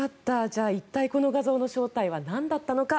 じゃあ、この画像の正体はなんだったのか。